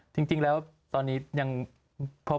จริงแล้วครับ